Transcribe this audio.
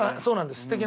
そうなんです